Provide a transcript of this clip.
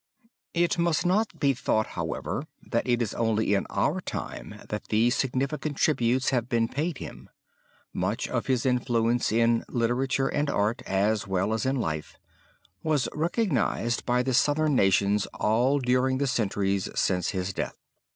It must not be thought, however, that it is only in our time that these significant tributes have been paid him. Much of his influence in literature and art, as well as in life, was recognized by the southern nations all during the centuries since his death.